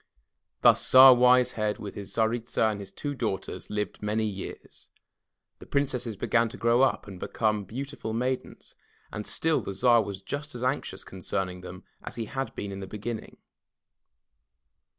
Thus Tsar Wise Head with his Tsaritsa and his two daughters lived many years. The Princesses began to grow up and become 26 THE TREASURE CHEST beautiful maidens, and still the Tsar was just as anxious concern ing them as he had been in the beginning.